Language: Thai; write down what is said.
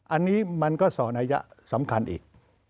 อันนี้มันก็สอนัยะสำคัญอีก